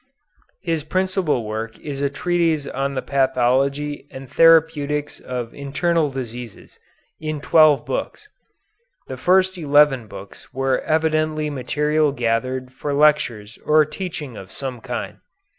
His principal work is a Treatise on the Pathology and Therapeutics of Internal Diseases, in twelve books. The first eleven books were evidently material gathered for lectures or teaching of some kind.